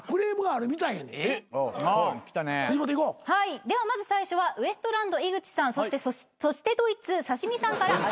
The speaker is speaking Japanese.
はいではまず最初はウエストランド井口さんそしてそしてドイツ刺身さんから。